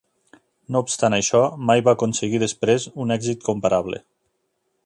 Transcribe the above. No obstant això, mai va aconseguir després un èxit comparable.